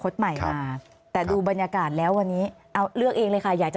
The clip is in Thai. สวัสดีครับ